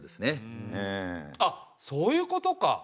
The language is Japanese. そういうことか。